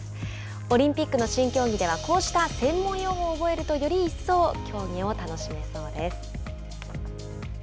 オリンピックの新競技ではこうした専門用語を覚えるとより一層競技を楽しめそうです。